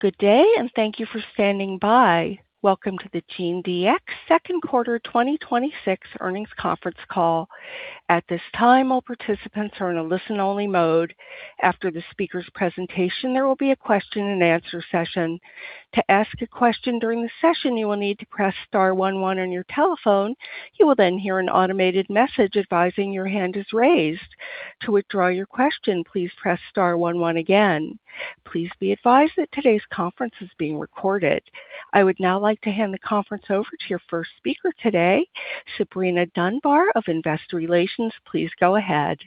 Good day. Thank you for standing by. Welcome to the GeneDx second quarter 2026 earnings conference call. At this time, all participants are in a listen-only mode. After the speaker's presentation, there will be a question-and-answer session. To ask a question during the session, you will need to press star one one on your telephone. You will then hear an automated message advising your hand is raised. To withdraw your question, please press star one one again. Please be advised that today's conference is being recorded. I would now like to hand the conference over to your first speaker today, Sabrina Dunbar of Investor Relations. Please go ahead.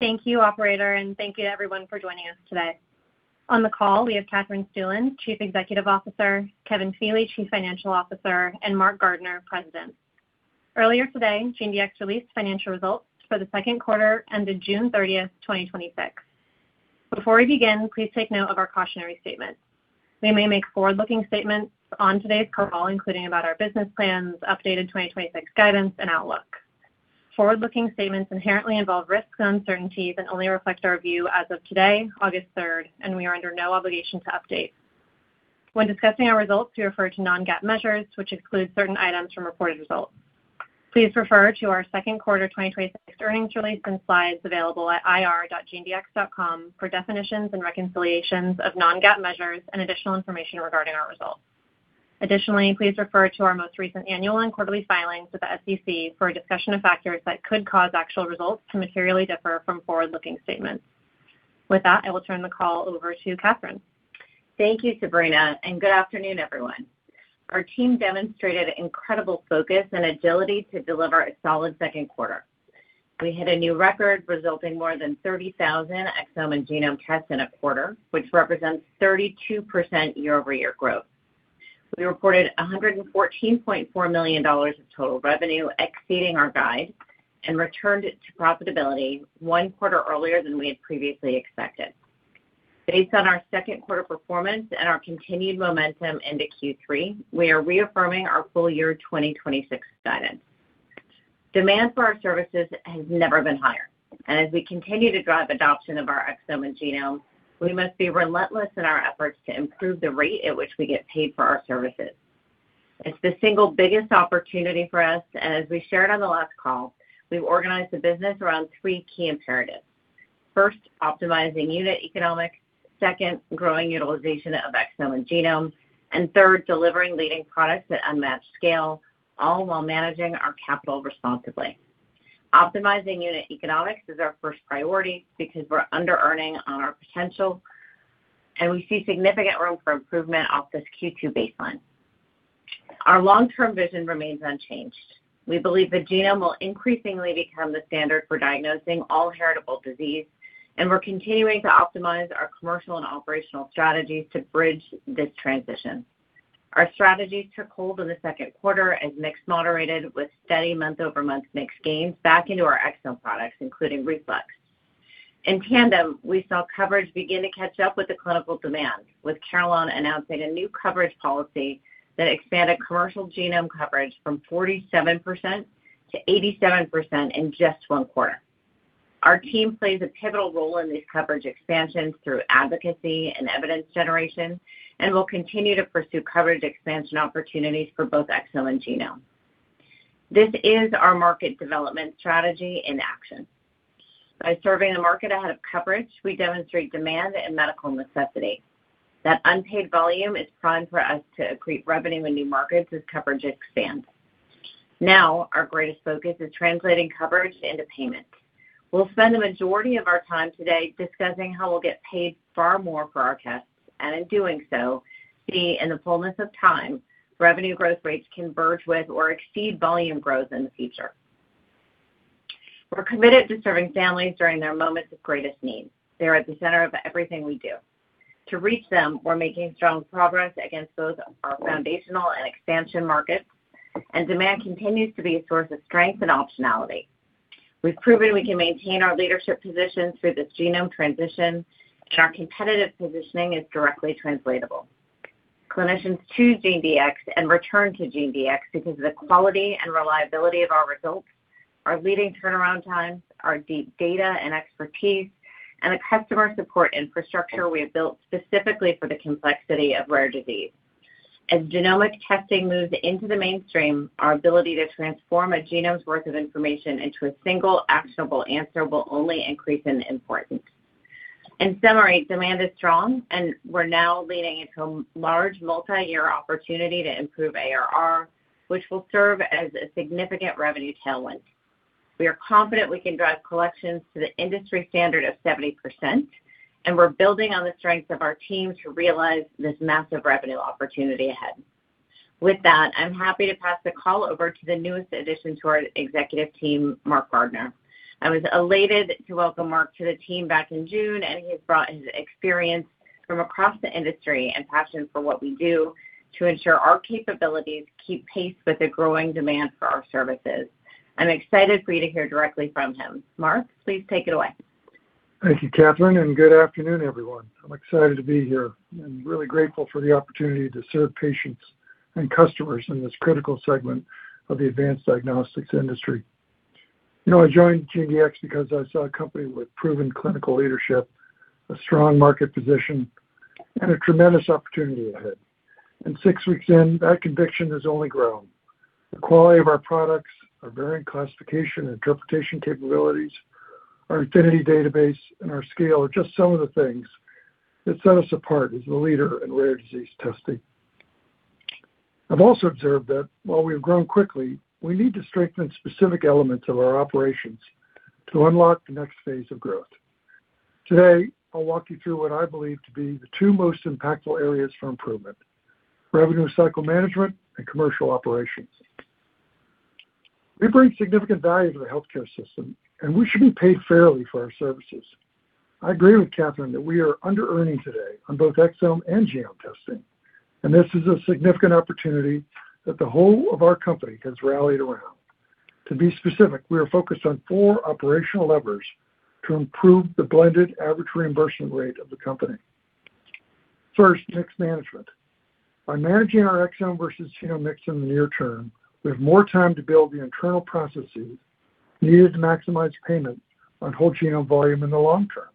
Thank you, operator. Thank you everyone for joining us today. On the call, we have Katherine Stueland, Chief Executive Officer, Kevin Feeley, Chief Financial Officer, and Mark Gardner, President. Earlier today, GeneDx released financial results for the second quarter ended June 30th, 2026. Before we begin, please take note of our cautionary statement. We may make forward-looking statements on today's call, including about our business plans, updated 2026 guidance and outlook. Forward-looking statements inherently involve risks and uncertainties and only reflect our view as of today, August 3rd, and we are under no obligation to update. When discussing our results, we refer to non-GAAP measures, which exclude certain items from reported results. Please refer to our second quarter 2026 earnings release and slides available at ir.genedx.com for definitions and reconciliations of non-GAAP measures and additional information regarding our results. Additionally, please refer to our most recent annual and quarterly filings with the SEC for a discussion of factors that could cause actual results to materially differ from forward-looking statements. With that, I will turn the call over to Katherine. Thank you, Sabrina. Good afternoon, everyone. Our team demonstrated incredible focus and agility to deliver a solid second quarter. We hit a new record, resulting more than 30,000 exome and genome tests in a quarter, which represents 32% year-over-year growth. We reported $114.4 million of total revenue, exceeding our guide, and returned it to profitability one quarter earlier than we had previously expected. Based on our second quarter performance and our continued momentum into Q3, we are reaffirming our full year 2026 guidance. Demand for our services has never been higher, and as we continue to drive adoption of our exome and genome, we must be relentless in our efforts to improve the rate at which we get paid for our services. It's the single biggest opportunity for us, and as we shared on the last call, we've organized the business around three key imperatives. First, optimizing unit economics. Second, growing utilization of exome and genome. Third, delivering leading products at unmatched scale, all while managing our capital responsibly. Optimizing unit economics is our first priority because we're under-earning on our potential, and we see significant room for improvement off this Q2 baseline. Our long-term vision remains unchanged. We believe the genome will increasingly become the standard for diagnosing all heritable disease, and we're continuing to optimize our commercial and operational strategies to bridge this transition. Our strategies took hold in the second quarter as mix moderated with steady month-over-month mix gains back into our exome products, including Reflex. In tandem, we saw coverage begin to catch up with the clinical demand, with Carelon announcing a new coverage policy that expanded commercial genome coverage from 47% to 87% in just one quarter. Our team plays a pivotal role in these coverage expansions through advocacy and evidence generation and will continue to pursue coverage expansion opportunities for both exome and genome. This is our market development strategy in action. By surveying the market ahead of coverage, we demonstrate demand and medical necessity. That unpaid volume is primed for us to accrete revenue in new markets as coverage expands. Our greatest focus is translating coverage into payment. We'll spend the majority of our time today discussing how we'll get paid far more for our tests, and in doing so, see in the fullness of time, revenue growth rates converge with or exceed volume growth in the future. We're committed to serving families during their moments of greatest need. They are at the center of everything we do. To reach them, we're making strong progress against those foundational and expansion markets. Demand continues to be a source of strength and optionality. We've proven we can maintain our leadership position through this genome transition. Our competitive positioning is directly translatable. Clinicians choose GeneDx and return to GeneDx because of the quality and reliability of our results, our leading turnaround times, our deep data and expertise, and the customer support infrastructure we have built specifically for the complexity of rare disease. As genomic testing moves into the mainstream, our ability to transform a genome's worth of information into a single actionable answer will only increase in importance. In summary, demand is strong, and we're now leading into a large multi-year opportunity to improve ARR, which will serve as a significant revenue tailwind. We are confident we can drive collections to the industry standard of 70%. We're building on the strengths of our team to realize this massive revenue opportunity ahead. With that, I'm happy to pass the call over to the newest addition to our executive team, Mark Gardner. I was elated to welcome Mark to the team back in June. He has brought his experience from across the industry and passion for what we do to ensure our capabilities keep pace with the growing demand for our services. I'm excited for you to hear directly from him. Mark, please take it away. Thank you, Katherine. Good afternoon, everyone. I'm excited to be here and really grateful for the opportunity to serve patients and customers in this critical segment of the advanced diagnostics industry. I joined GeneDx because I saw a company with proven clinical leadership, a strong market position, and a tremendous opportunity ahead. Six weeks in, that conviction has only grown. The quality of our products, our variant classification interpretation capabilities, our Infinity database, and our scale are just some of the things that set us apart as the leader in rare disease testing. I've also observed that while we've grown quickly, we need to strengthen specific elements of our operations to unlock the next phase of growth. Today, I'll walk you through what I believe to be the two most impactful areas for improvement, Revenue Cycle Management and commercial operations. We bring significant value to the healthcare system, and we should be paid fairly for our services. I agree with Katherine that we are under-earning today on both exome and genome testing. This is a significant opportunity that the whole of our company has rallied around. To be specific, we are focused on four operational levers to improve the blended average reimbursement rate of the company. First, mix management. By managing our exome versus genome mix in the near term, we have more time to build the internal processes needed to maximize payment on whole genome volume in the long term.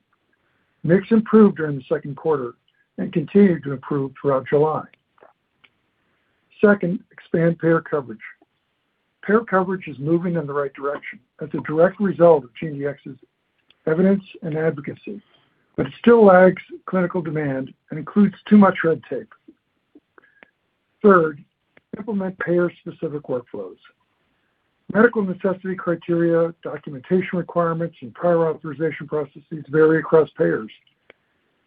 Mix improved during the second quarter and continued to improve throughout July. Second, expand payer coverage. Payer coverage is moving in the right direction as a direct result of GeneDx's evidence and advocacy. It still lags clinical demand and includes too much red tape. Third, implement payer-specific workflows. Medical necessity criteria, documentation requirements, and prior authorization processes vary across payers.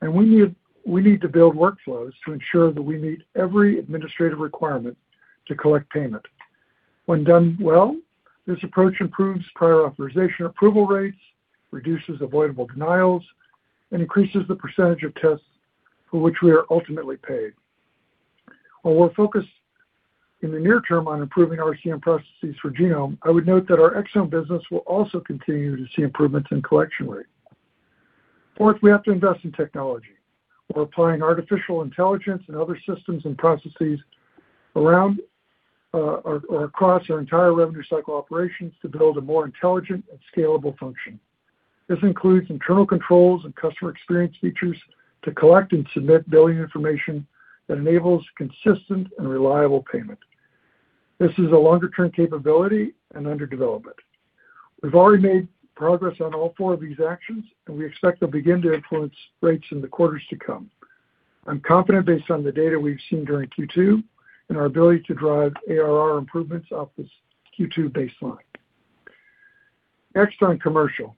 We need to build workflows to ensure that we meet every administrative requirement to collect payment. When done well, this approach improves prior authorization approval rates, reduces avoidable denials, and increases the percentage of tests for which we are ultimately paid. While we're focused in the near term on improving our RCM processes for genome, I would note that our exome business will also continue to see improvements in collection rate. Fourth, we have to invest in technology. We're applying artificial intelligence and other systems and processes around or across our entire Revenue Cycle operations to build a more intelligent and scalable function. This includes internal controls and customer experience features to collect and submit billing information that enables consistent and reliable payment. This is a longer-term capability and under development. We've already made progress on all four of these actions. We expect they'll begin to influence rates in the quarters to come. I'm confident based on the data we've seen during Q2 and our ability to drive ARR improvements off this Q2 baseline. Next on commercial.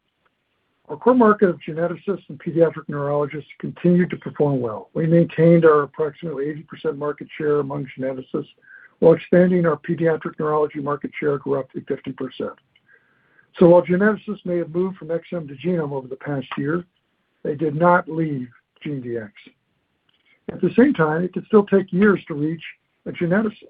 Our core market of geneticists and Pediatric Neurology continued to perform well. We maintained our approximately 80% market share among geneticists while expanding our Pediatric Neurology market share grew up to 50%. While geneticists may have moved from exome to genome over the past year, they did not leave GeneDx. At the same time, it could still take years to reach a geneticist,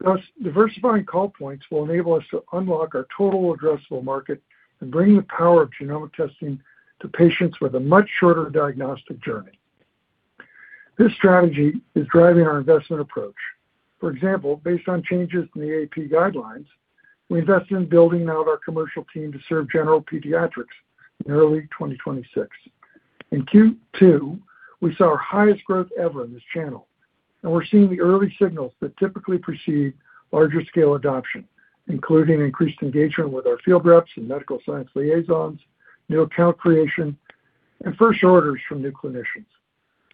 thus diversifying call points will enable us to unlock our total addressable market and bring the power of genomic testing to patients with a much shorter diagnostic journey. This strategy is driving our investment approach. For example, based on changes in the AAP guidelines, we invested in building out our commercial team to serve General Pediatrics in early 2026. In Q2, we saw our highest growth ever in this channel. We're seeing the early signals that typically precede larger scale adoption, including increased engagement with our field reps and medical science liaisons, new account creation, and first orders from new clinicians.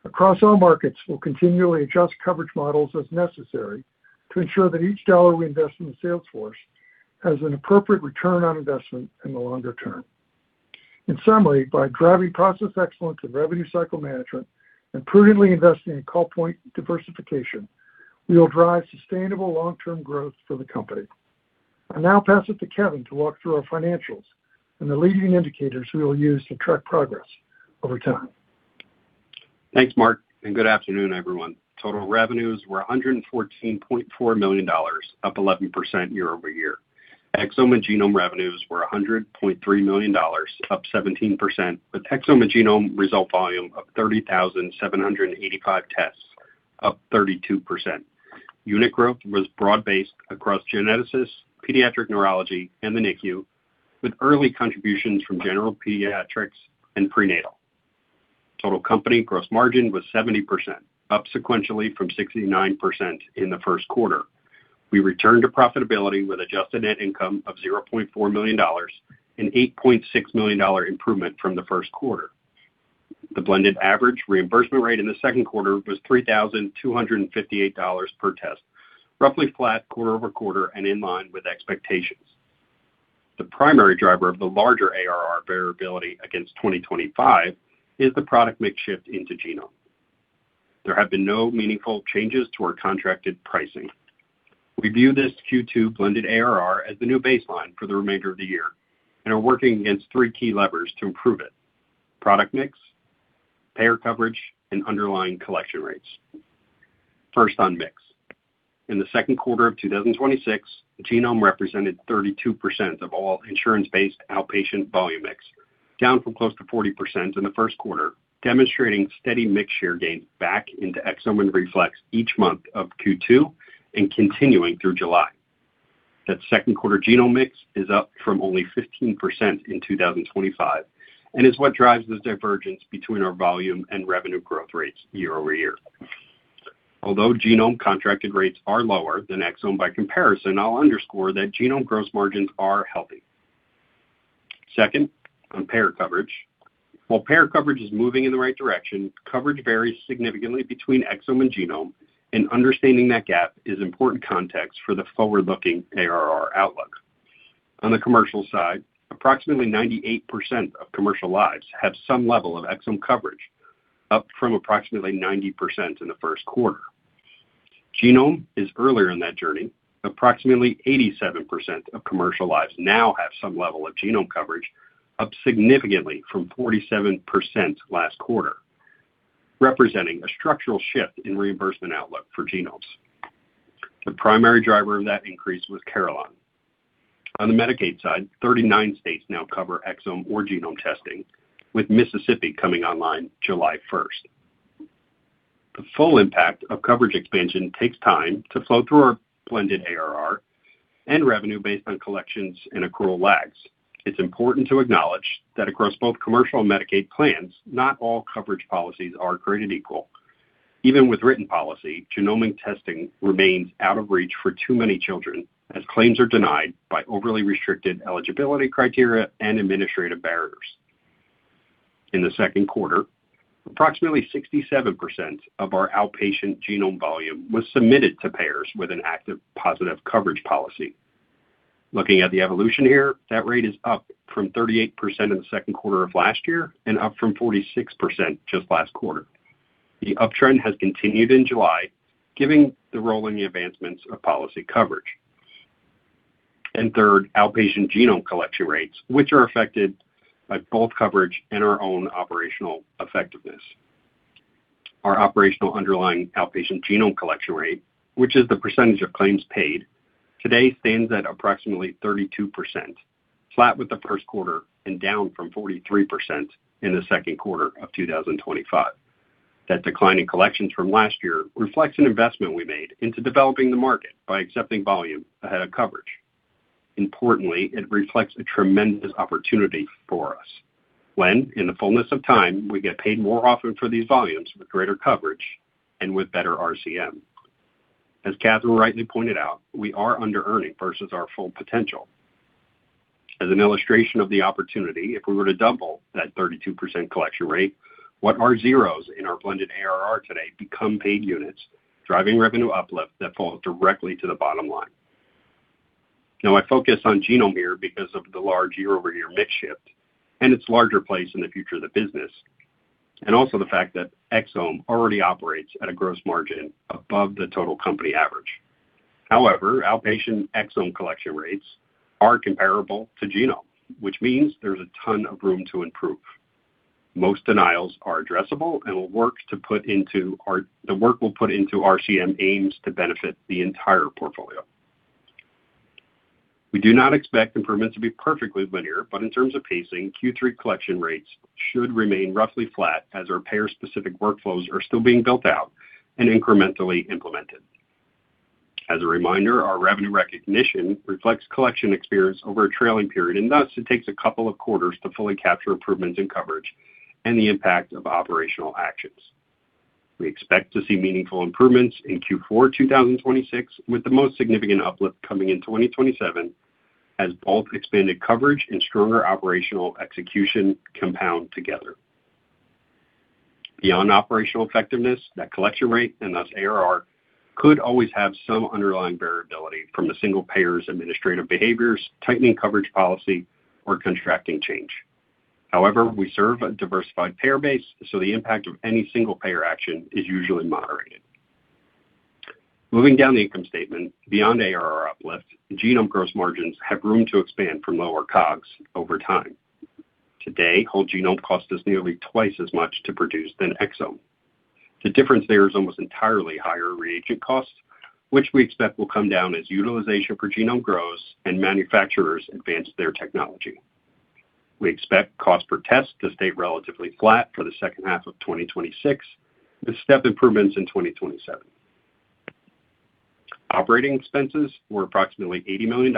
Across all markets, we'll continually adjust coverage models as necessary to ensure that each dollar we invest in the sales force has an appropriate return on investment in the longer term. In summary, by driving process excellence in Revenue Cycle Management and prudently investing in call point diversification, we will drive sustainable long-term growth for the company. I'll now pass it to Kevin to walk through our financials and the leading indicators we will use to track progress over time. Thanks, Mark, and good afternoon, everyone. Total revenues were $114.4 million, up 11% year-over-year. Exome and genome revenues were $100.3 million, up 17%, with exome and genome result volume of 30,785 tests, up 32%. Unit growth was broad-based across geneticists, Pediatric Neurology, and the NICU, with early contributions from General Pediatrics and prenatal. Total company gross margin was 70%, up sequentially from 69% in the first quarter. We returned to profitability with adjusted net income of $0.4 million, an $8.6 million improvement from the first quarter. The blended average reimbursement rate in the second quarter was $3,258 per test, roughly flat quarter-over-quarter and in line with expectations. The primary driver of the larger ARR variability against 2025 is the product mix shift into genome. There have been no meaningful changes to our contracted pricing. We view this Q2 blended ARR as the new baseline for the remainder of the year and are working against three key levers to improve it: product mix, payer coverage, and underlying collection rates. First on mix. In the second quarter of 2026, genome represented 32% of all insurance-based outpatient volume mix. Down from close to 40% in the first quarter, demonstrating steady mix share gains back into exome and Reflex each month of Q2, continuing through July. That second quarter genome mix is up from only 15% in 2025, is what drives the divergence between our volume and revenue growth rates year-over-year. Although genome contracted rates are lower than exome by comparison, I'll underscore that genome gross margins are healthy. Second, on payer coverage. While payer coverage is moving in the right direction, coverage varies significantly between exome and genome, and understanding that gap is important context for the forward-looking ARR outlook. On the commercial side, approximately 98% of commercial lives have some level of exome coverage, up from approximately 90% in the first quarter. Genome is earlier in that journey. Approximately 87% of commercial lives now have some level of genome coverage, up significantly from 47% last quarter, representing a structural shift in reimbursement outlook for genomes. The primary driver of that increase was Carelon. On the Medicaid side, 39 states now cover exome or genome testing, with Mississippi coming online July 1st. The full impact of coverage expansion takes time to flow through our blended ARR and revenue based on collections and accrual lags. It's important to acknowledge that across both commercial and Medicaid plans, not all coverage policies are created equal. Even with written policy, genomic testing remains out of reach for too many children, as claims are denied by overly restricted eligibility criteria and administrative barriers. In the second quarter, approximately 67% of our outpatient genome volume was submitted to payers with an active positive coverage policy. Looking at the evolution here, that rate is up from 38% in the second quarter of last year and up from 46% just last quarter. The uptrend has continued in July, giving the rolling advancements of policy coverage. Third, outpatient genome collection rates, which are affected by both coverage and our own operational effectiveness. Our operational underlying outpatient genome collection rate, which is the percentage of claims paid, today stands at approximately 32%, flat with the first quarter, and down from 43% in the second quarter of 2025. That decline in collections from last year reflects an investment we made into developing the market by accepting volume ahead of coverage. Importantly, it reflects a tremendous opportunity for us when, in the fullness of time, we get paid more often for these volumes with greater coverage and with better RCM. As Katherine rightly pointed out, we are under-earning versus our full potential. As an illustration of the opportunity, if we were to double that 32% collection rate, what are zeros in our blended ARR today become paid units, driving revenue uplift that falls directly to the bottom line. I focus on genome here because of the large year-over-year mix shift and its larger place in the future of the business, and also the fact that exome already operates at a gross margin above the total company average. However, outpatient exome collection rates are comparable to genome, which means there's a ton of room to improve. Most denials are addressable, and the work we'll put into RCM aims to benefit the entire portfolio. We do not expect improvements to be perfectly linear, but in terms of pacing, Q3 collection rates should remain roughly flat as our payer-specific workflows are still being built out and incrementally implemented. As a reminder, our revenue recognition reflects collection experience over a trailing period, and thus it takes a couple of quarters to fully capture improvements in coverage and the impact of operational actions. We expect to see meaningful improvements in Q4 2026, with the most significant uplift coming in 2027 as both expanded coverage and stronger operational execution compound together. Beyond operational effectiveness, that collection rate, and thus ARR, could always have some underlying variability from the single payer's administrative behaviors, tightening coverage policy, or contracting change. However, we serve a diversified payer base, so the impact of any single payer action is usually moderated. Moving down the income statement, beyond ARR uplift, genome gross margins have room to expand from lower COGS over time. Today, whole genome cost us nearly twice as much to produce than exome. The difference there is almost entirely higher reagent costs, which we expect will come down as utilization for genome grows and manufacturers advance their technology. We expect cost per test to stay relatively flat for the second half of 2026, with step improvements in 2027. Operating expenses were approximately $80 million,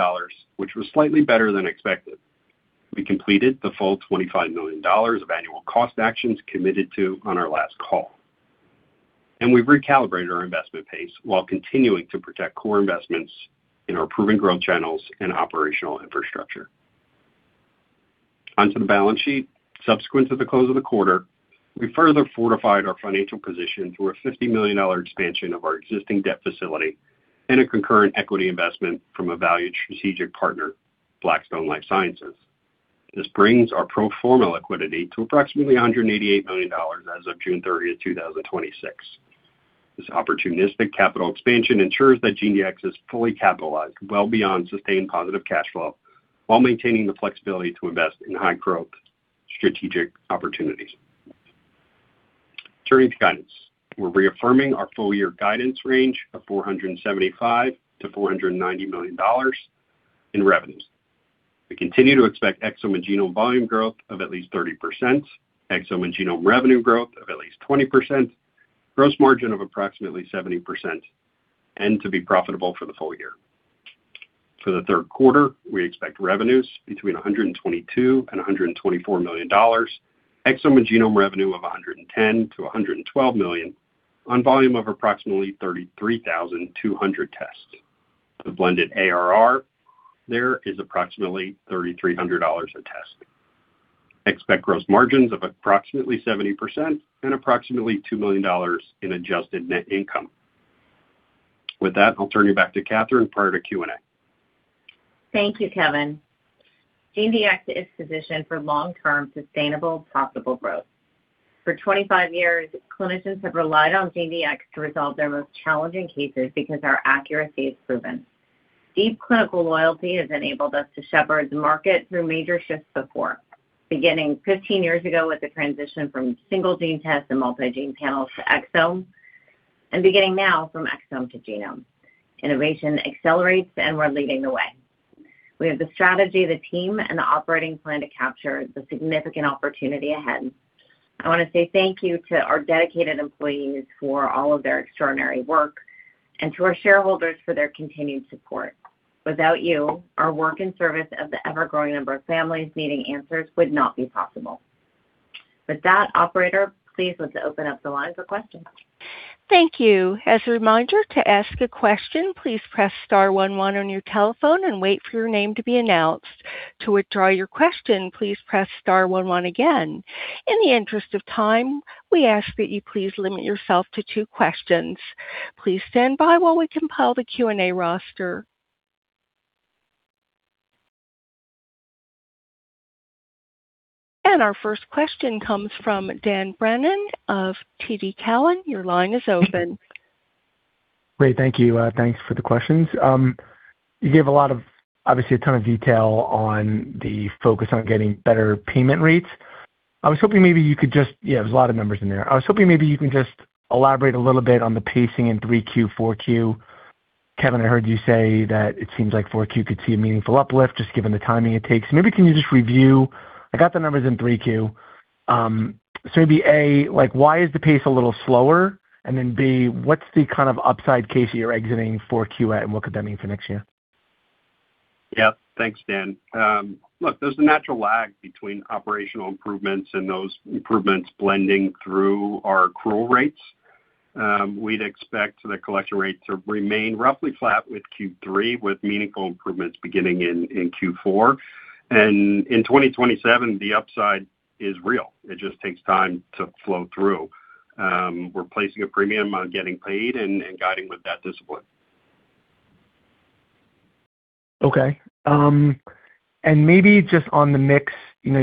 which was slightly better than expected. We completed the full $25 million of annual cost actions committed to on our last call, and we've recalibrated our investment pace while continuing to protect core investments in our proven growth channels and operational infrastructure. Onto the balance sheet. Subsequent to the close of the quarter, we further fortified our financial position through a $50 million expansion of our existing debt facility and a concurrent equity investment from a valued strategic partner, Blackstone Life Sciences. This brings our pro forma liquidity to approximately $188 million as of June 30th, 2026. This opportunistic capital expansion ensures that GeneDx is fully capitalized well beyond sustained positive cash flow, while maintaining the flexibility to invest in high growth strategic opportunities. Turning to guidance. We're reaffirming our full-year guidance range of $475 million-$490 million in revenues. We continue to expect exome and genome volume growth of at least 30%, exome and genome revenue growth of at least 20%, gross margin of approximately 70%, and to be profitable for the full year. For the third quarter, we expect revenues between $122 million-$124 million, exome and genome revenue of $110 million-$112 million on volume of approximately 33,200 tests. The blended ARR there is approximately $3,300 a test. Expect gross margins of approximately 70% and approximately $2 million in adjusted net income. With that, I'll turn you back to Katherine prior to Q&A. Thank you, Kevin. GeneDx is positioned for long-term, sustainable profitable growth. For 25 years, clinicians have relied on GeneDx to resolve their most challenging cases because our accuracy is proven. Deep clinical loyalty has enabled us to shepherd the market through major shifts before, beginning 15 years ago with the transition from single-gene tests and multi-gene panels to exome, and beginning now from exome to genome. Innovation accelerates, and we're leading the way. We have the strategy, the team, and the operating plan to capture the significant opportunity ahead. I want to say thank you to our dedicated employees for all of their extraordinary work and to our shareholders for their continued support. Without you, our work and service of the ever-growing number of families needing answers would not be possible. With that, operator, please let's open up the lines for questions. Thank you. As a reminder to ask a question, please press star one one your telephone and wait for your name to be announced. To withdraw your question, please press star one one again. In the interest of time, we ask that you please limit yourself to two questions. Please stand by while we compile the Q&A roster. Our first question comes from Dan Brennan of TD Cowen. Your line is open. Great. Thank you. Thanks for the questions. You gave a lot of, obviously, a ton of detail on the focus on getting better payment rates. I was hoping maybe you could just there's a lot of numbers in there. I was hoping maybe you can just elaborate a little bit on the pacing in 3Q, 4Q. Kevin, I heard you say that it seems like 4Q could see a meaningful uplift just given the timing it takes. Maybe can you just review? I got the numbers in 3Q. Maybe, A, why is the pace a little slower? Then, B, what's the kind of upside case you're exiting 4Q, and what could that mean for next year? Thanks, Dan. Look, there's a natural lag between operational improvements and those improvements blending through our accrual rates. We'd expect the collection rate to remain roughly flat with Q3, with meaningful improvements beginning in Q4. In 2027, the upside is real. It just takes time to flow through. We're placing a premium on getting paid and guiding with that discipline. Okay. Maybe just on the mix, you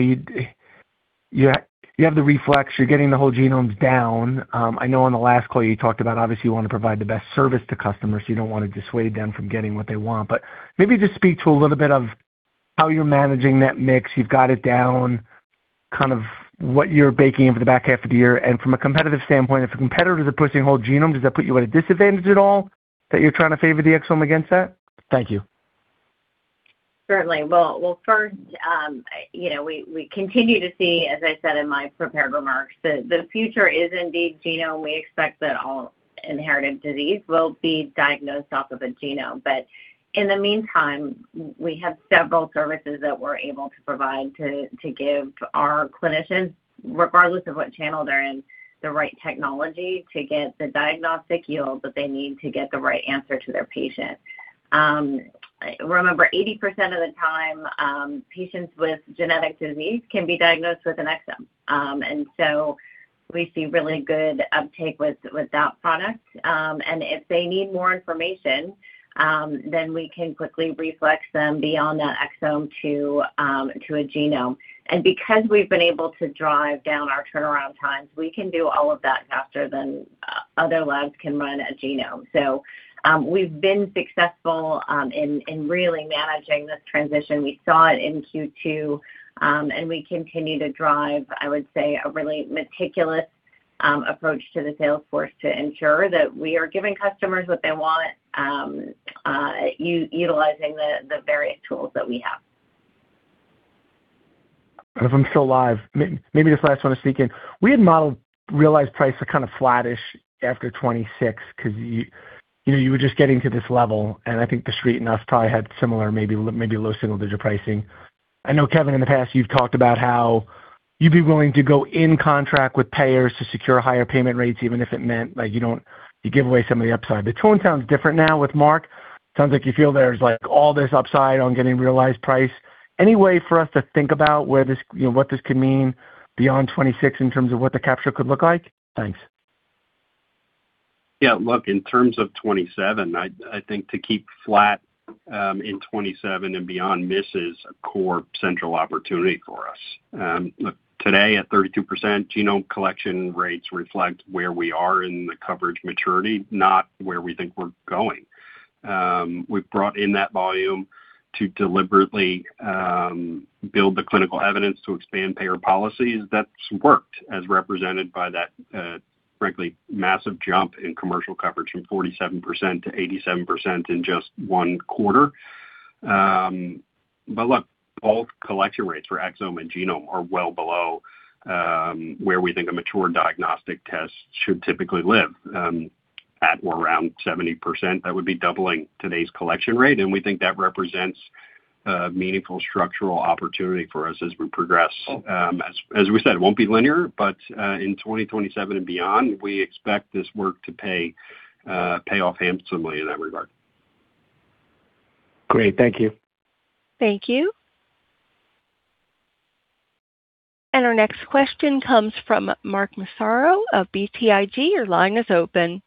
have the Reflex, you're getting the whole genomes down. I know on the last call, you talked about, obviously, you want to provide the best service to customers, so you don't want to dissuade them from getting what they want. Maybe just speak to a little bit of how you're managing that mix. You've got it down, kind of what you're baking in for the back half of the year. From a competitive standpoint, if the competitors are pushing whole genome, does that put you at a disadvantage at all that you're trying to favor the exome against that? Thank you. Certainly. Well, first, we continue to see, as I said in my prepared remarks, the future is indeed genome. We expect that all inherited disease will be diagnosed off of a genome. In the meantime, we have several services that we're able to provide to give our clinicians, regardless of what channel they're in, the right technology to get the diagnostic yield that they need to get the right answer to their patient. Remember, 80% of the time, patients with genetic disease can be diagnosed with an exome. We see really good uptake with that product. If they need more information, then we can quickly reflex them beyond that exome to a genome. Because we've been able to drive down our turnaround times, we can do all of that faster than other labs can run a genome. We've been successful in really managing this transition. We saw it in Q2, and we continue to drive, I would say, a really meticulous approach to the sales force to ensure that we are giving customers what they want, utilizing the various tools that we have. If I'm still live, maybe this last one to sneak in. We had modeled realized price are kind of flattish after 2026 because you were just getting to this level, and I think The Street and us probably had similar, maybe low single-digit pricing. I know, Kevin, in the past, you've talked about how you'd be willing to go in contract with payers to secure higher payment rates, even if it meant, like you give away some of the upside. The tone sounds different now with Mark. Sounds like you feel there's all this upside on getting realized price. Any way for us to think about what this could mean beyond 2026 in terms of what the capture could look like? Thanks. In terms of 2027, I think to keep flat in 2027 and beyond misses a core central opportunity for us. Today at 32%, genome collection rates reflect where we are in the coverage maturity, not where we think we're going. We've brought in that volume to deliberately build the clinical evidence to expand payer policies. That's worked, as represented by that, frankly, massive jump in commercial coverage from 47% to 87% in just one quarter. All collection rates for exome and genome are well below where we think a mature diagnostic test should typically live, at or around 70%. That would be doubling today's collection rate, and we think that represents a meaningful structural opportunity for us as we progress. As we said, it won't be linear, but in 2027 and beyond, we expect this work to pay off handsomely in that regard. Great. Thank you. Thank you. Our next question comes from Mark Massaro of BTIG. Your line is open.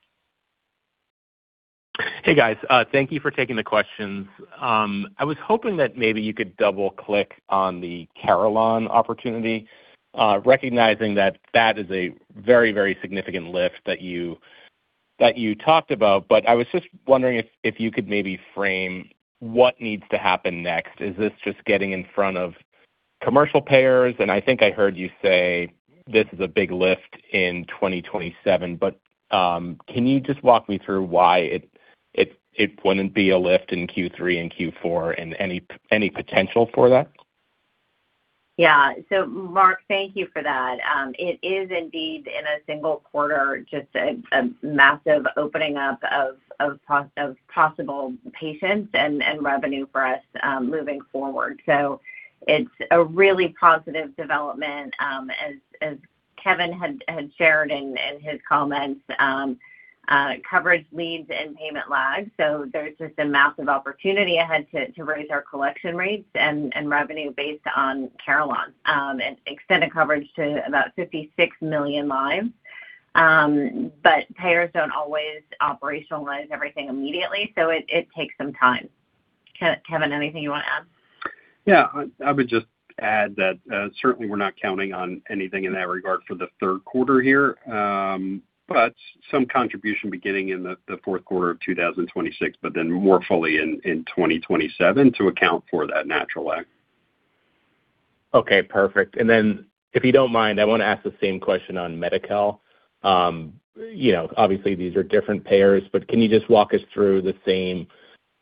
Hey, guys. Thank you for taking the questions. I was hoping that maybe you could double-click on the Carelon opportunity, recognizing that that is a very significant lift that you talked about. I was just wondering if you could maybe frame what needs to happen next. Is this just getting in front of commercial payers? I think I heard you say this is a big lift in 2027, but can you just walk me through why it wouldn't be a lift in Q3 and Q4 and any potential for that? Mark, thank you for that. It is indeed in a single quarter, just a massive opening up of possible patients and revenue for us moving forward. It's a really positive development. As Kevin had shared in his comments, coverage leads and payment lags. There's just a massive opportunity ahead to raise our collection rates and revenue based on Carelon, and extended coverage to about 56 million lives. Payers don't always operationalize everything immediately, it takes some time. Kevin, anything you want to add? I would just add that, certainly we're not counting on anything in that regard for the third quarter here. Some contribution beginning in the fourth quarter of 2026, more fully in 2027 to account for that natural lag. Perfect. If you don't mind, I want to ask the same question on Medi-Cal. Obviously, these are different payers, can you just walk us through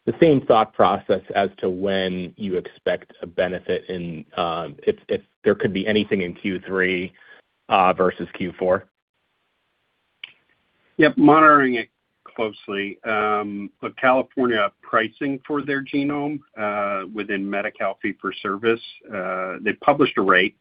the same thought process as to when you expect a benefit if there could be anything in Q3 versus Q4? Monitoring it closely. California pricing for their genome, within Medi-Cal fee for service, they published a rate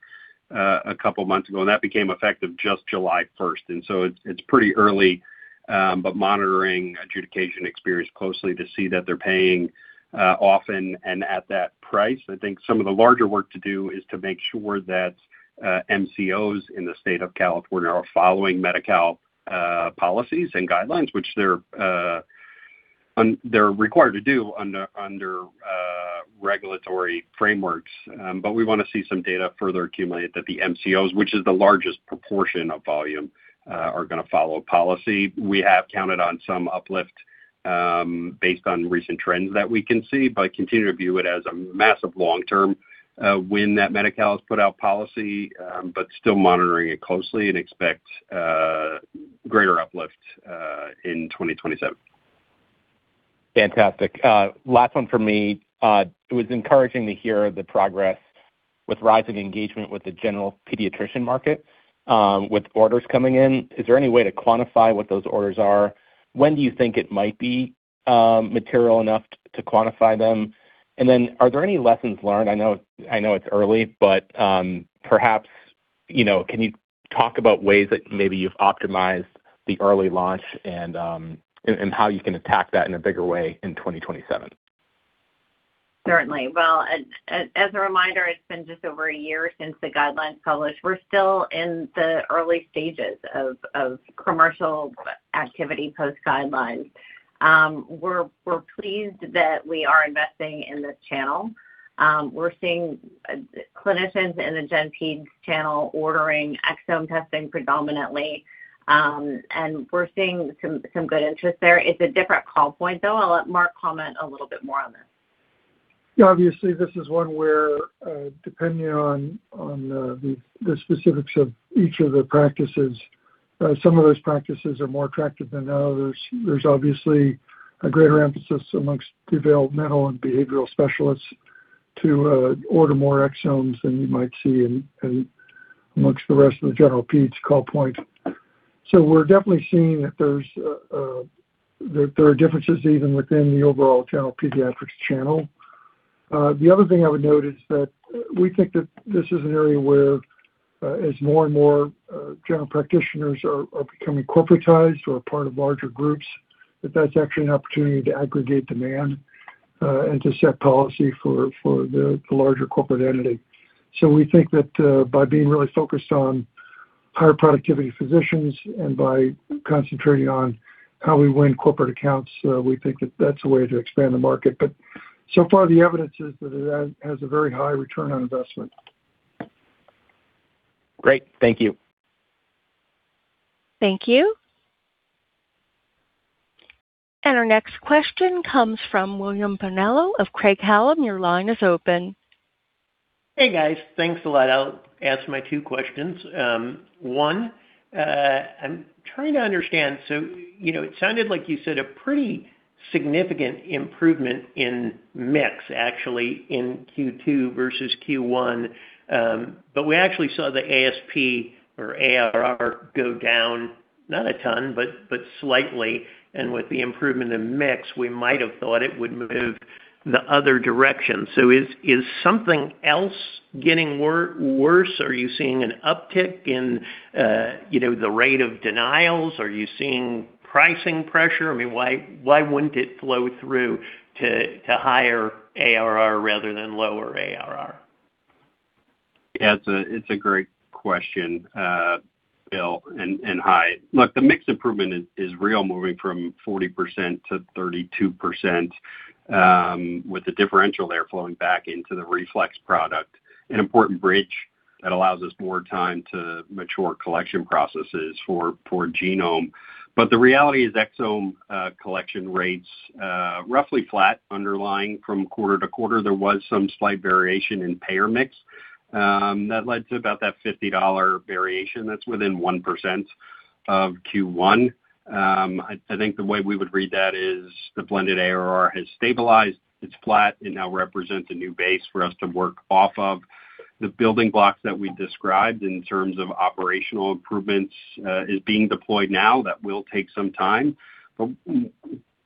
a couple of months ago, that became effective just July 1st. It's pretty early, monitoring adjudication experience closely to see that they're paying often and at that price. I think some of the larger work to do is to make sure that MCOs in the state of California are following Medi-Cal policies and guidelines which they're required to do under regulatory frameworks. We want to see some data further accumulate that the MCOs, which is the largest proportion of volume, are going to follow policy. We have counted on some uplift based on recent trends that we can see, continue to view it as a massive long-term win that Medi-Cal has put out policy, still monitoring it closely and expect greater uplift in 2027. Fantastic. Last one from me. It was encouraging to hear the progress with rising engagement with the General Pediatrics market, with orders coming in. Is there any way to quantify what those orders are? When do you think it might be material enough to quantify them? Are there any lessons learned? I know it's early, but perhaps, can you talk about ways that maybe you've optimized the early launch and how you can attack that in a bigger way in 2027? Certainly. Well, as a reminder, it's been just over a year since the guidelines published. We're still in the early stages of commercial activity post-guidelines. We're pleased that we are investing in this channel. We're seeing clinicians in the Gen Peds channel ordering exome testing predominantly, and we're seeing some good interest there. It's a different call point, though. I'll let Mark comment a little bit more on this. Yeah, obviously, this is one where, depending on the specifics of each of the practices, some of those practices are more attractive than others. There's obviously a greater emphasis amongst developmental and behavioral specialists to order more exomes than you might see amongst the rest of the Gen Peds call point. We're definitely seeing that there are differences even within the overall General Pediatrics channel. The other thing I would note is that we think that this is an area where, as more and more general practitioners are becoming corporatized or a part of larger groups, that that's actually an opportunity to aggregate demand and to set policy for the larger corporate entity. We think that by being really focused on higher productivity physicians and by concentrating on how we win corporate accounts, we think that that's a way to expand the market. So far, the evidence is that it has a very high return on investment. Great. Thank you. Thank you. Our next question comes from William Bonello of Craig-Hallum. Your line is open. Hey, guys. Thanks a lot. I'll ask my two questions. One, I'm trying to understand, it sounded like you said a pretty significant improvement in mix actually in Q2 versus Q1. We actually saw the ASP or ARR go down, not a ton, but slightly, and with the improvement in mix, we might have thought it would move the other direction. Is something else getting worse? Are you seeing an uptick in the rate of denials? Are you seeing pricing pressure? I mean, why wouldn't it flow through to higher ARR rather than lower ARR? Yeah, it's a great question, Bill, and hi. Look, the mix improvement is real, moving from 40% to 32%, with the differential there flowing back into the Reflex product, an important bridge that allows us more time to mature collection processes for genome. The reality is exome collection rates roughly flat underlying from quarter to quarter. There was some slight variation in payer mix that led to about that $50 variation that's within 1% of Q1. I think the way we would read that is the blended ARR has stabilized, it's flat, it now represents a new base for us to work off of. The building blocks that we described in terms of operational improvements is being deployed now. That will take some time.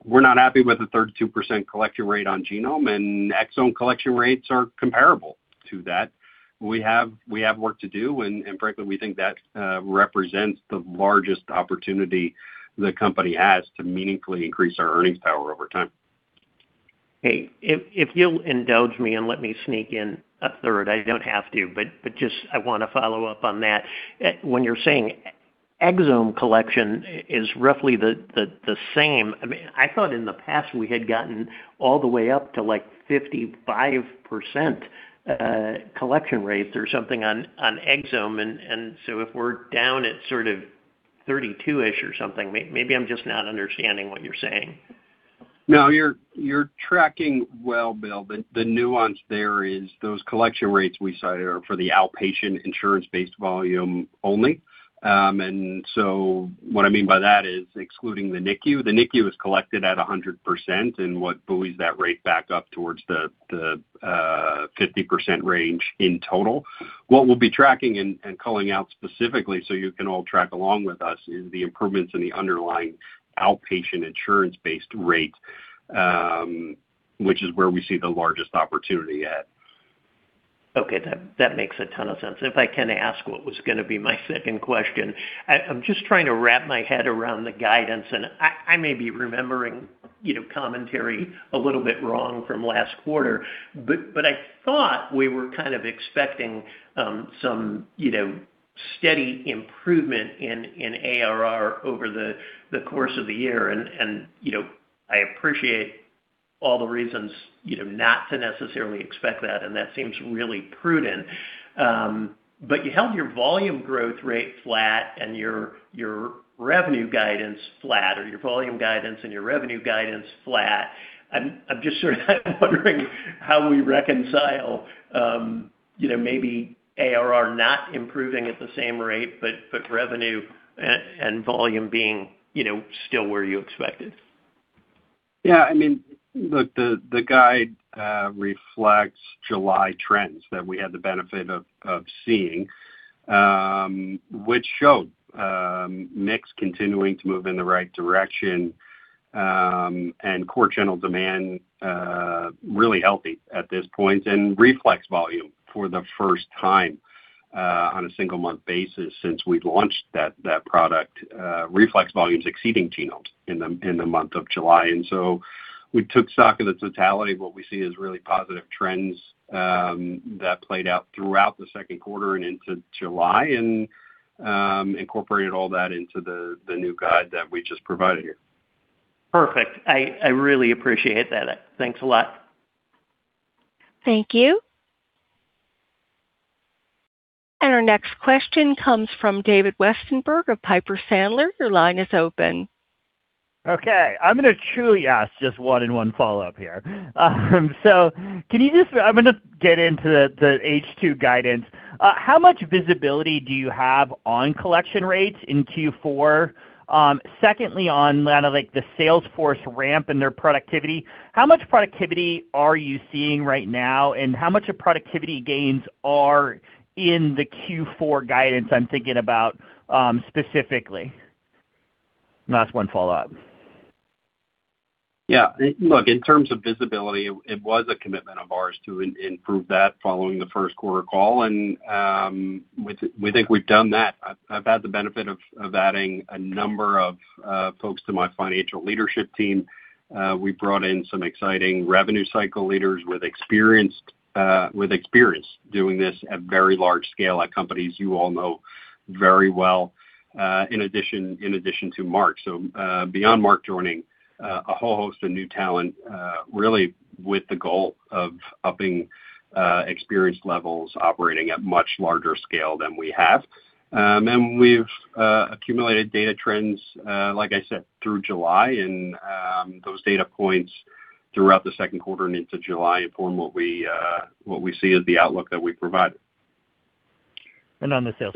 We're not happy with the 32% collection rate on genome, and exome collection rates are comparable to that. We have work to do, frankly, we think that represents the largest opportunity the company has to meaningfully increase our earnings power over time. Hey, if you'll indulge me and let me sneak in a third. You don't have to, just, I want to follow up on that. When you're saying exome collection is roughly the same, I thought in the past we had gotten all the way up to, like, 55% collection rates or something on exome. So if we're down at sort of 32-ish or something, maybe I'm just not understanding what you're saying. No, you're tracking well, Bill, the nuance there is those collection rates we cited are for the outpatient insurance-based volume only. So what I mean by that is excluding the NICU. The NICU is collected at 100%, what buoys that rate back up towards the 50% range in total. What we'll be tracking and culling out specifically so you can all track along with us is the improvements in the underlying outpatient insurance-based rate, which is where we see the largest opportunity at. Okay. That makes a ton of sense. If I can ask what was going to be my second question, I'm just trying to wrap my head around the guidance, I may be remembering commentary a little bit wrong from last quarter. I thought we were kind of expecting some steady improvement in ARR over the course of the year, I appreciate all the reasons not to necessarily expect that seems really prudent. You held your volume growth rate flat and your revenue guidance flat, your volume guidance and your revenue guidance flat. I'm just sort of wondering how we reconcile maybe ARR not improving at the same rate, revenue and volume being still where you expected. Yeah, look, the guide reflects July trends that we had the benefit of seeing, which showed mix continuing to move in the right direction, and core channel demand really healthy at this point, and Reflex volume for the first time on a single-month basis since we've launched that product. Reflex volume's exceeding genome in the month of July. We took stock of the totality of what we see as really positive trends that played out throughout the second quarter and into July and incorporated all that into the new guide that we just provided here. Perfect. I really appreciate that. Thanks a lot. Thank you. Our next question comes from David Westenberg of Piper Sandler. Your line is open. Okay. I'm going to truly ask just one and one follow-up here. I'm going to get into the H2 guidance. How much visibility do you have on collection rates in Q4? Secondly, on kind of like the sales force ramp and their productivity, how much productivity are you seeing right now, and how much of productivity gains are in the Q4 guidance I'm thinking about specifically? Last one follow-up. Yeah. Look, in terms of visibility, it was a commitment of ours to improve that following the first quarter call, we think we've done that. I've had the benefit of adding a number of folks to my financial leadership team. We brought in some exciting Revenue Cycle leaders with experience doing this at very large scale at companies you all know very well in addition to Mark. Beyond Mark joining, a whole host of new talent really with the goal of upping experience levels, operating at much larger scale than we have. We've accumulated data trends, like I said, through July, those data points throughout the second quarter and into July inform what we see as the outlook that we provided. On the sales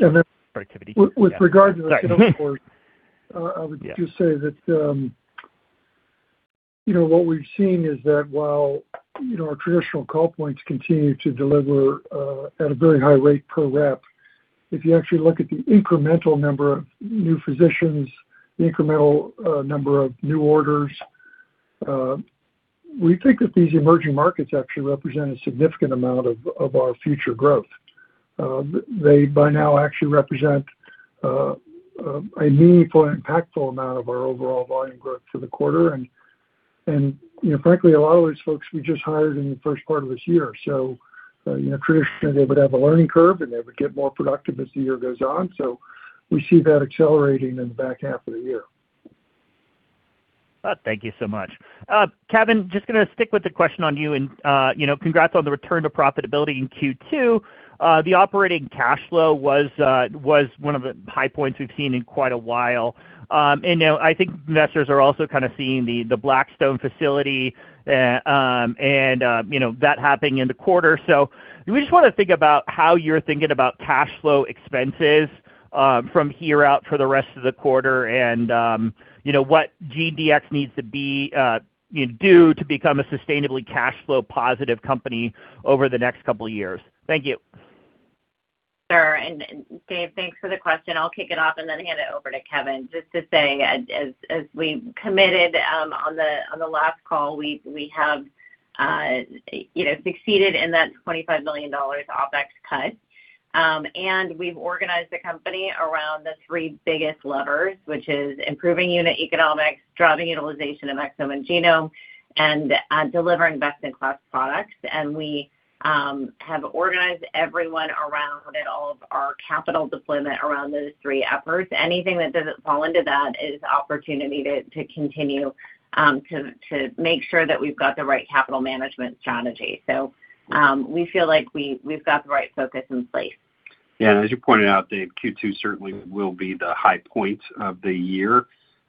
productivity- With regard to the sales force, I would just say that what we've seen is that while our traditional call points continue to deliver at a very high rate per rep, if you actually look at the incremental number of new physicians, the incremental number of new orders, we think that these emerging markets actually represent a significant amount of our future growth. They, by now, actually represent a meaningful and impactful amount of our overall volume growth for the quarter. Frankly, a lot of these folks we just hired in the first part of this year, traditionally, they would have a learning curve, and they would get more productive as the year goes on. We see that accelerating in the back half of the year. Thank you so much. Kevin, just going to stick with the question on you, congrats on the return to profitability in Q2. The operating cash flow was one of the high points we've seen in quite a while. Now I think investors are also kind of seeing the Blackstone facility and that happening in the quarter. We just want to think about how you're thinking about cash flow expenses from here out for the rest of the quarter and what GeneDx needs to do to become a sustainably cash flow positive company over the next couple of years. Thank you. Sure. Dave, thanks for the question. I'll kick it off and then hand it over to Kevin. Just to say, as we committed on the last call, we have succeeded in that $25 million OpEx cut. We've organized the company around the three biggest levers, which is improving unit economics, driving utilization of exome and genome, and delivering best-in-class products. We have organized everyone around all of our capital deployment around those three efforts. Anything that doesn't fall into that is opportunity to continue to make sure that we've got the right capital management strategy. We feel like we've got the right focus in place. Yeah. As you pointed out, Dave, Q2 certainly will be the high point of the year.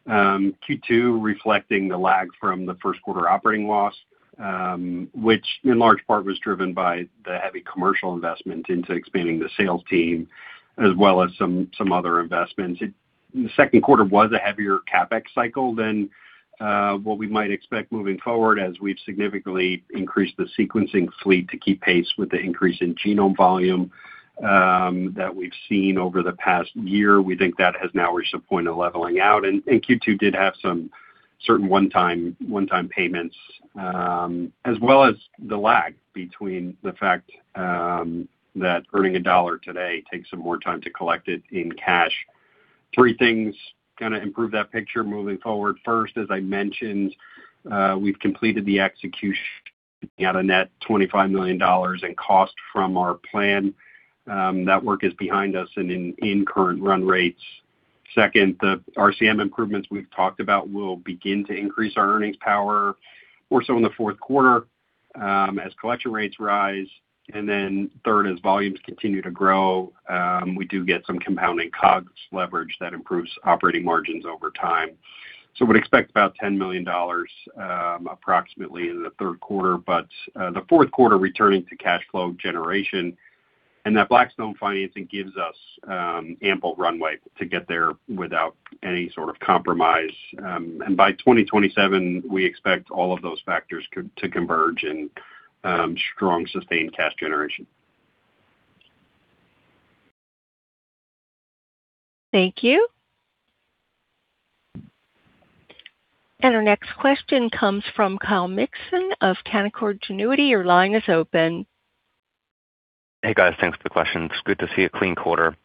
Q2 reflecting the lag from the first quarter operating loss, which in large part was driven by the heavy commercial investment into expanding the sales team as well as some other investments. The second quarter was a heavier CapEx cycle than what we might expect moving forward, as we've significantly increased the sequencing fleet to keep pace with the increase in genome volume that we've seen over the past year. We think that has now reached a point of leveling out. Q2 did have some certain one-time payments, as well as the lag between the fact that earning a $1 today takes some more time to collect it in cash. Three things going to improve that picture moving forward. First, as I mentioned, we've completed the execution out a net $25 million in cost from our plan. That work is behind us and in current run rates. Second, the RCM improvements we've talked about will begin to increase our earnings power more so in the fourth quarter as collection rates rise. Third, as volumes continue to grow, we do get some compounding COGS leverage that improves operating margins over time. Would expect about $10 million approximately in the third quarter, but the fourth quarter returning to cash flow generation, and that Blackstone financing gives us ample runway to get there without any sort of compromise. By 2027, we expect all of those factors to converge in strong, sustained cash generation. Thank you. Our next question comes from Kyle Mikson of Canaccord Genuity. Your line is open. Hey, guys, thanks for the question. It's good to see a clean quarter.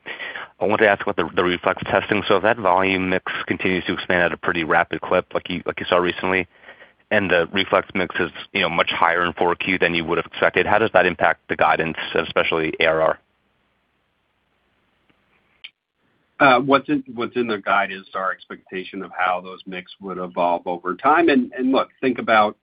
I want to ask about the Reflex testing. If that volume mix continues to expand at a pretty rapid clip like you saw recently, and the Reflex mix is much higher in 4Q than you would have expected, how does that impact the guidance, especially ARR? What's in the guidance is our expectation of how those mix would evolve over time. Look, think about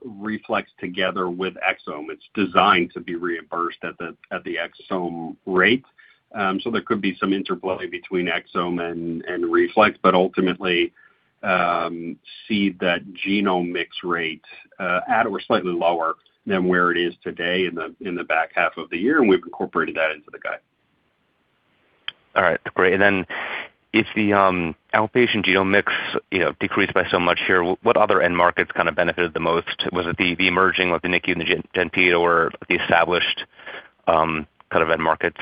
Reflex together with exome. It's designed to be reimbursed at the exome rate. There could be some interplaying between exome and Reflex, but ultimately, see that genome mix rate at or slightly lower than where it is today in the back half of the year, and we've incorporated that into the guide. All right, great. If the outpatient genome mix decreased by so much here, what other end markets kind of benefited the most? Was it the emerging, like the NICU and the Gen Peds or the established kind of end markets?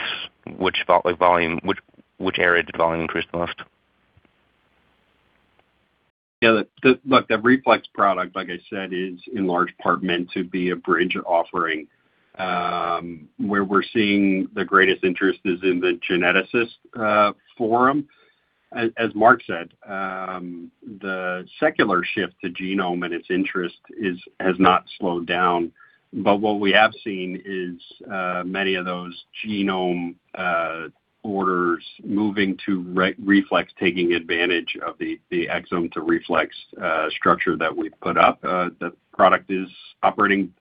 Which area did volume increase the most? Yeah, look, the Reflex product, like I said, is in large part meant to be a bridge offering. Where we're seeing the greatest interest is in the geneticist forum. As Mark said, the secular shift to genome and its interest has not slowed down. What we have seen is many of those genome orders moving to Reflex, taking advantage of the exome to Reflex structure that we've put up. The product is operating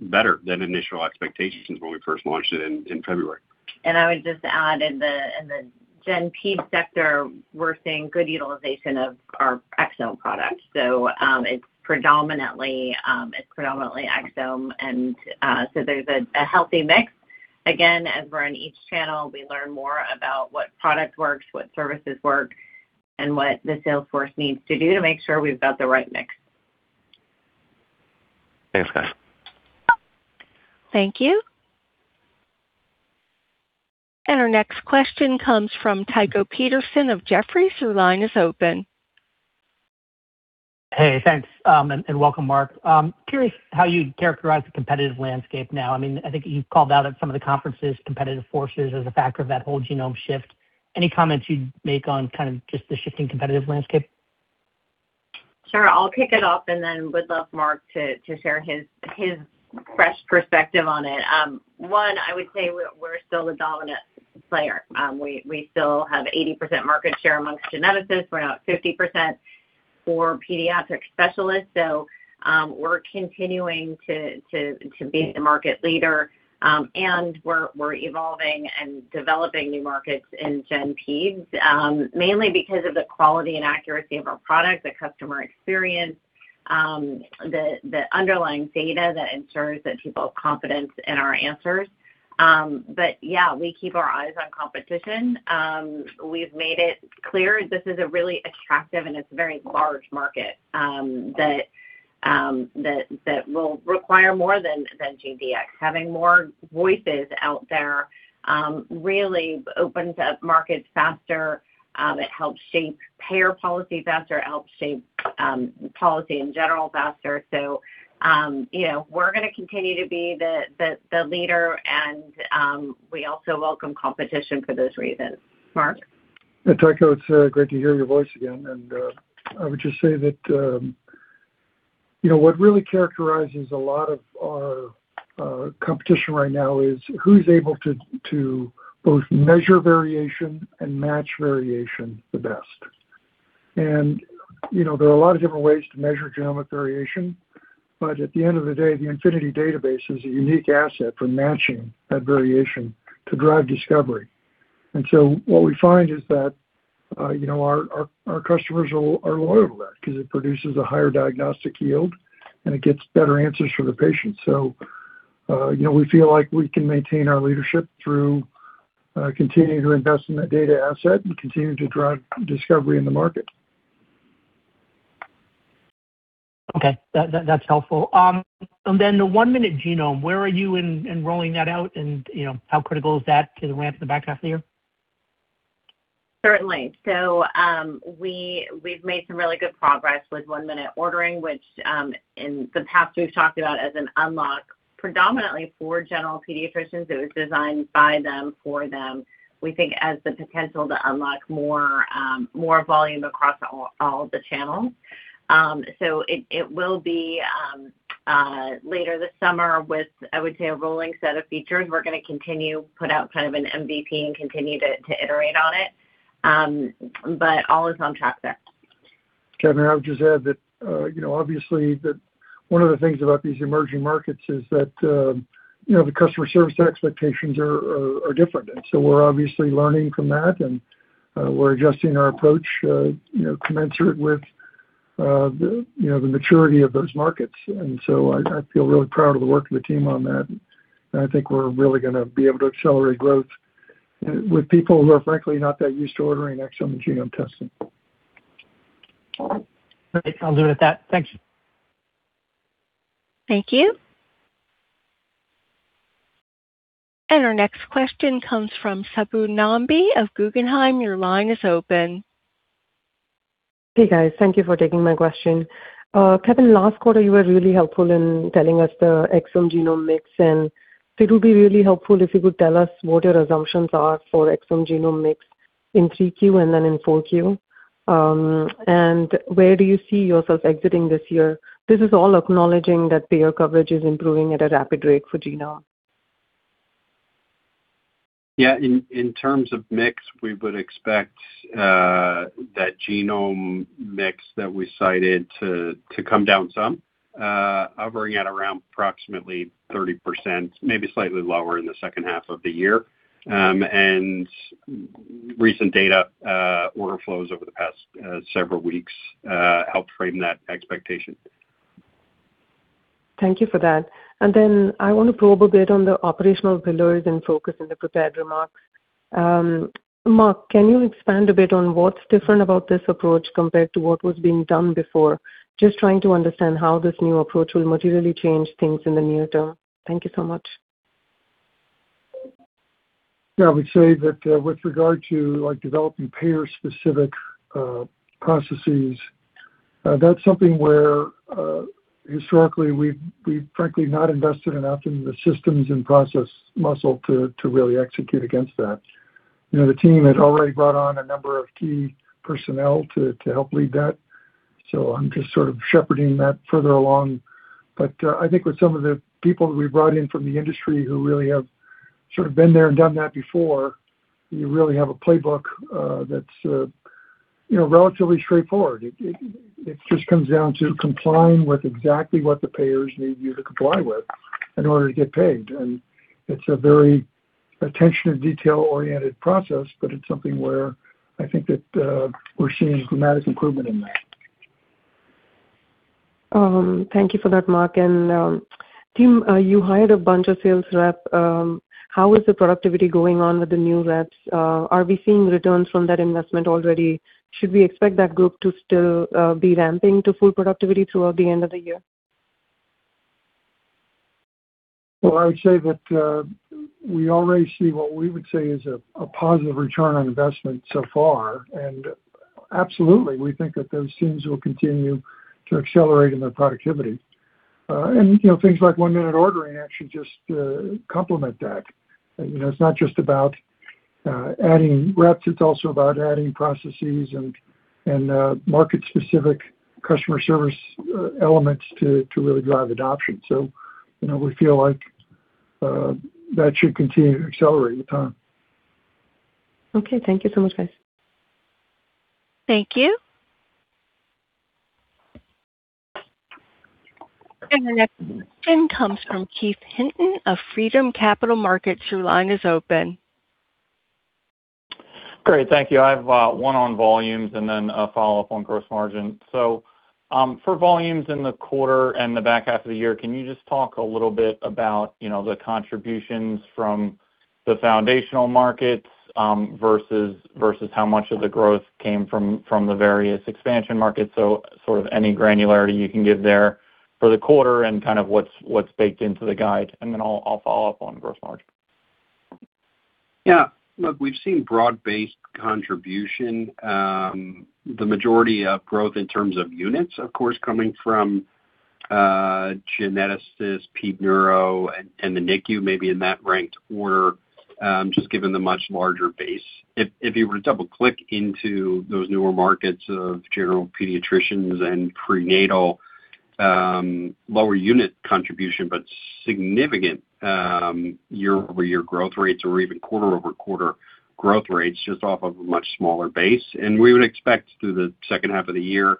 better than initial expectations when we first launched it in February. I would just add, in the Gen Peds sector, we're seeing good utilization of our exome products. It's predominantly exome, there's a healthy mix. Again, as we're in each channel, we learn more about what product works, what services work, and what the sales force needs to do to make sure we've got the right mix. Thanks, guys. Thank you. Our next question comes from Tycho Peterson of Jefferies. Your line is open. Hey, thanks, and welcome, Mark. Curious how you'd characterize the competitive landscape now. I think you've called out at some of the conferences competitive forces as a factor of that whole genome shift. Any comments you'd make on kind of just the shifting competitive landscape? Sure. I'll kick it off and then would love Mark to share his fresh perspective on it. One, I would say we're still the dominant player. We still have 80% market share amongst geneticists. We're now at 50% for pediatric specialists, so we're continuing to be the market leader. We're evolving and developing new markets in Gen Peds, mainly because of the quality and accuracy of our product, the customer experience, the underlying data that ensures that people have confidence in our answers. Yeah, we keep our eyes on competition. We've made it clear this is a really attractive and it's a very large market that will require more than WGS. Having more voices out there really opens up markets faster. It helps shape payer policy faster, helps shape policy in general faster. We're going to continue to be the leader and we also welcome competition for those reasons. Mark? Yeah, Tycho, it's great to hear your voice again. I would just say that what really characterizes a lot of our competition right now is who's able to both measure variation and match variation the best. There are a lot of different ways to measure genomic variation, but at the end of the day, the Infinity database is a unique asset for matching that variation to drive discovery. What we find is that our customers are loyal to that because it produces a higher diagnostic yield and it gets better answers for the patient. We feel like we can maintain our leadership through continuing to invest in that data asset and continuing to drive discovery in the market. Okay. That's helpful. The one-minute genome, where are you in rolling that out and how critical is that to the ramp in the back half of the year? Certainly. We've made some really good progress with one-minute ordering, which, in the past, we've talked about as an unlock predominantly for general pediatricians. It was designed by them, for them. We think it has the potential to unlock more volume across all the channels. It will be later this summer with, I would say, a rolling set of features. We're going to continue to put out kind of an MVP and continue to iterate on it. All is on track there. Kevin, I would just add that, obviously, one of the things about these emerging markets is that the customer service expectations are different. We're obviously learning from that and we're adjusting our approach commensurate with the maturity of those markets. I feel really proud of the work of the team on that, and I think we're really going to be able to accelerate growth with people who are, frankly, not that used to ordering exome and genome testing. Great. I'll leave it at that. Thank you. Thank you. Our next question comes from Subbu Nambi of Guggenheim. Your line is open. Hey, guys. Thank you for taking my question. Kevin, last quarter, you were really helpful in telling us the exome genome mix, and it would be really helpful if you could tell us what your assumptions are for exome genome mix in 3Q and then in 4Q. Where do you see yourself exiting this year? This is all acknowledging that payer coverage is improving at a rapid rate for genome. Yeah. In terms of mix, we would expect that genome mix that we cited to come down some, hovering at around approximately 30%, maybe slightly lower in the second half of the year. Recent data order flows over the past several weeks helped frame that expectation. Thank you for that. Then I want to probe a bit on the operational pillars and focus in the prepared remarks. Mark, can you expand a bit on what's different about this approach compared to what was being done before? Just trying to understand how this new approach will materially change things in the near term. Thank you so much. Yeah. I would say that with regard to developing payer-specific processes. That's something where, historically, we've frankly not invested enough in the systems and process muscle to really execute against that. The team had already brought on a number of key personnel to help lead that, so I'm just sort of shepherding that further along. I think with some of the people that we brought in from the industry who really have sort of been there and done that before, you really have a playbook that's relatively straightforward. It just comes down to complying with exactly what the payers need you to comply with in order to get paid. It's a very attention to detail-oriented process, but it's something where I think that we're seeing dramatic improvement in that. Thank you for that, Mark. Team, you hired a bunch of sales reps. How is the productivity going on with the new reps? Are we seeing returns from that investment already? Should we expect that group to still be ramping to full productivity throughout the end of the year? I would say that we already see what we would say is a positive return on investment so far. Absolutely, we think that those teams will continue to accelerate in their productivity. Things like one-minute ordering actually just complement that. It's not just about adding reps, it's also about adding processes and market-specific customer service elements to really drive adoption. We feel like that should continue to accelerate with time. Okay. Thank you so much, guys. Thank you. Our next question comes from Keith Hinton of Freedom Capital Markets. Your line is open. Great. Thank you. I have one on volumes and then a follow-up on gross margin. For volumes in the quarter and the back half of the year, can you just talk a little bit about the contributions from the foundational markets, versus how much of the growth came from the various expansion markets? Sort of any granularity you can give there for the quarter and kind of what's baked into the guide, and then I'll follow up on gross margin. Look, we've seen broad-based contribution. The majority of growth in terms of units, of course, coming from geneticists, Pediatric Neurology, and the NICU, maybe in that ranked order, just given the much larger base. If you were to double-click into those newer markets of general pediatricians and prenatal, lower unit contribution, but significant year-over-year growth rates or even quarter-over-quarter growth rates, just off of a much smaller base. We would expect through the second half of the year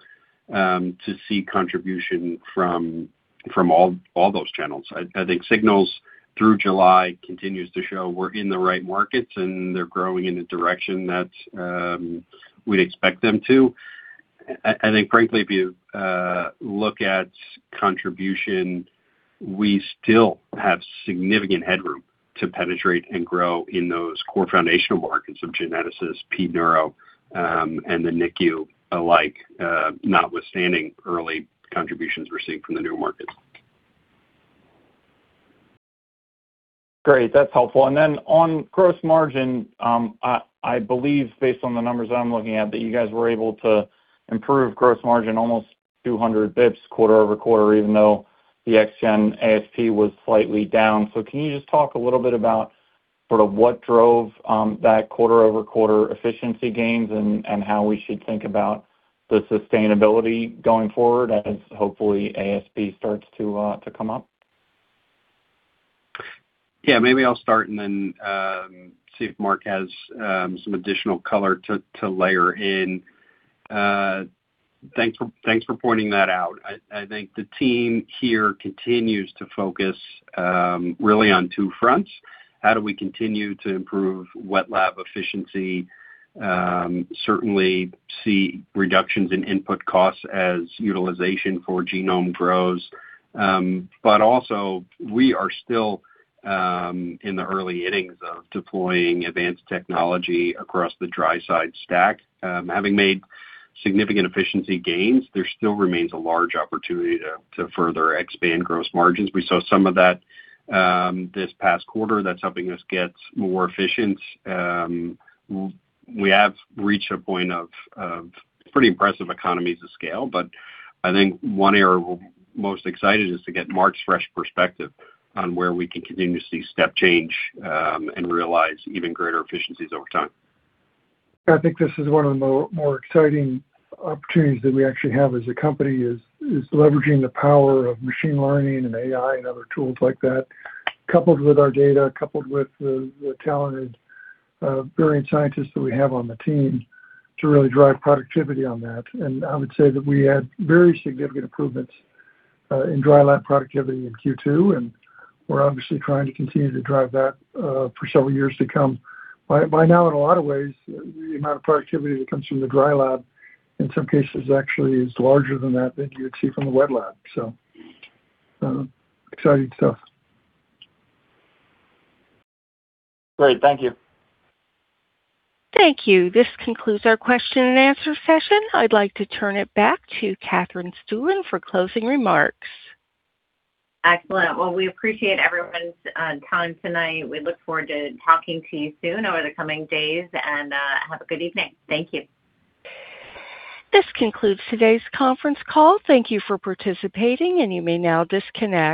to see contribution from all those channels. I think signals through July continues to show we're in the right markets, and they're growing in a direction that we'd expect them to. I think frankly, if you look at contribution, we still have significant headroom to penetrate and grow in those core foundational markets of geneticists, Pediatric Neurology, and the NICU alike, notwithstanding early contributions received from the new markets. Great. That's helpful. On gross margin, I believe based on the numbers that I'm looking at, that you guys were able to improve gross margin almost 200 basis points quarter-over-quarter, even though the ExGen ASP was slightly down. Can you just talk a little bit about sort of what drove that quarter-over-quarter efficiency gains and how we should think about the sustainability going forward as hopefully ASP starts to come up? Maybe I'll start and then see if Mark has some additional color to layer in. Thanks for pointing that out. I think the team here continues to focus really on two fronts. How do we continue to improve wet lab efficiency? Certainly see reductions in input costs as utilization for genome grows. Also we are still in the early innings of deploying advanced technology across the dry side stack. Having made significant efficiency gains, there still remains a large opportunity to further expand gross margins. We saw some of that this past quarter. That's helping us get more efficient. We have reached a point of pretty impressive economies of scale, but I think one area we're most excited is to get Mark's fresh perspective on where we can continue to see step change, and realize even greater efficiencies over time. I think this is one of the more exciting opportunities that we actually have as a company is leveraging the power of machine learning and AI and other tools like that, coupled with our data, coupled with the talented, brilliant scientists that we have on the team to really drive productivity on that. I would say that we had very significant improvements in dry lab productivity in Q2, and we're obviously trying to continue to drive that for several years to come. By now, in a lot of ways, the amount of productivity that comes from the dry lab in some cases actually is larger than that that you would see from the wet lab. Exciting stuff. Great. Thank you. Thank you. This concludes our question and answer session. I'd like to turn it back to Katherine Stueland for closing remarks. Excellent. Well, we appreciate everyone's time tonight. We look forward to talking to you soon over the coming days, have a good evening. Thank you. This concludes today's conference call. Thank you for participating, you may now disconnect.